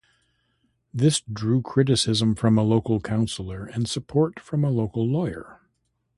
This drew criticism from a local councillor and support from a local lawyer.